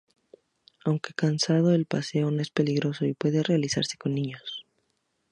Aunque cansado, el paseo no es peligroso y puede realizarse con niños.